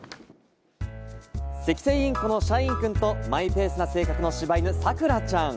セキセイインコのシャインくんと、マイペースな性格のしば犬・さくらちゃん。